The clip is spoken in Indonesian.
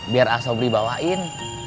biar asobri bawain